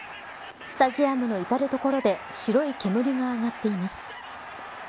スタジアムの至る所で白い煙が上がっています。